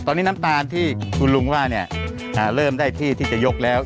ตอนนี้น้ำตาลที่คุณลุงว่าเนี่ยเริ่มได้ที่ที่จะยกแล้ว